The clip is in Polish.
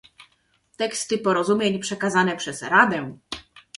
Teksty porozumień przekazane przez Radę